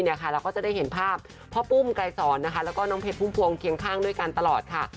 เราก็จะได้เห็นภาพพ่อปุ้มไกรสอนนะคะแล้วก็น้องเพชรพุ่มพวงเคียงข้างด้วยกันตลอดค่ะ